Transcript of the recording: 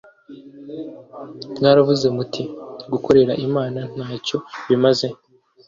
Mwaravuze muti gukorera Imana nta cyo bimaze